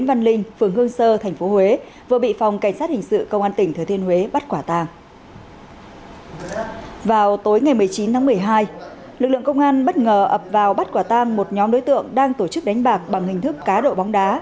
vào tối ngày một mươi chín tháng một mươi hai lực lượng công an bất ngờ ập vào bắt quả tang một nhóm đối tượng đang tổ chức đánh bạc bằng hình thức cá độ bóng đá